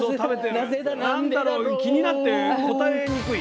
「なんだろう」が気になって答えにくい。